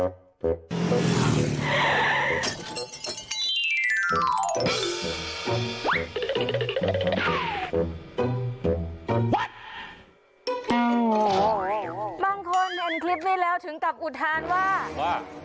โอ้โหบางคนเห็นคลิปนี้แล้วถึงกับอุทานว่าว่า